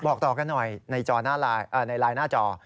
บอกต่อกันหน่อยในไลน์หน้าจอ